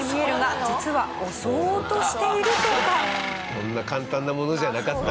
そんな簡単なものじゃなかった。